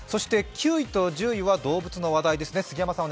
９位と１０位は動物の話題です。